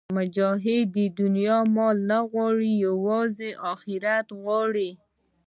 مجاهد د دنیا مال نه غواړي، یوازې آخرت غواړي.